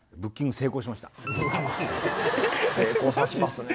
成功さしますね。